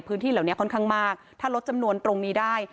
พื้นที่เหล่านี้ค่อนข้างมากถ้าลดจำนวนตรงนี้ได้